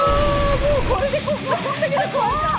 もうこれでこんだけで怖いじゃん。